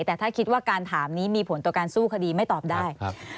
แต่ถ้าคิดว่าการถามนี้มีผลต่อการสู้คดีไม่ตอบได้